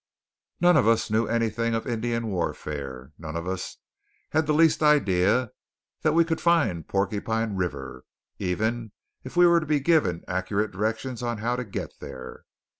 None of us knew anything of Indian warfare. None of us had the least idea that we could find Porcupine River, even if we were to be given accurate directions on how to get there.